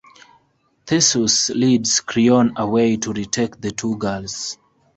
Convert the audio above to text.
Theseus leads Creon away to retake the two girls.